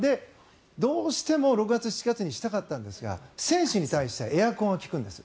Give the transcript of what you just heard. どうしても６月、７月にしたかったんですが選手に対してエアコンは利くんです。